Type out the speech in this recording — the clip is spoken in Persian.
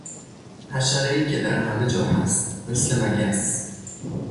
حشرهای که در همهجا هست، مثل مگس